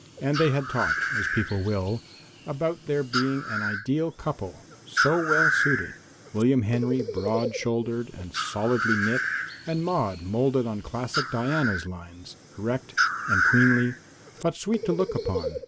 And they had talked, as people will, about their being an ideal couple, so well suited William Henry broad shouldered and solidly knit and Maude molded on classic Diana's lines, erect and queenly, but sweet to look upon.